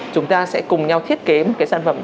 chúng ta sẽ cùng nhau thiết kế một cái sản phẩm